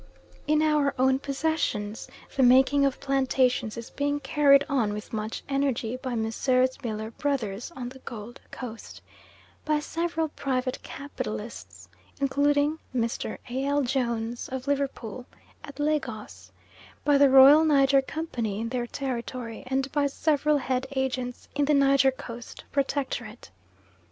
In our own possessions the making of plantations is being carried on with much energy by Messrs. Miller Brothers on the Gold Coast, by several private capitalists, including Mr. A. L. Jones of Liverpool, at Lagos; by the Royal Niger Company in their territory, and by several head Agents in the Niger Coast Protectorate.